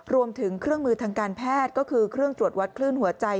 รวมถึงเครื่องมือทางการแพทย์ก็คือเครื่องตรวจวัดคลื่นหัวใจ